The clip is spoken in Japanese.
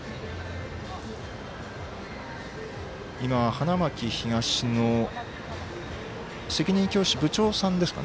花巻東の責任教師部長さんでしょうか。